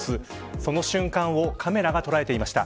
その瞬間をカメラが捉えていました。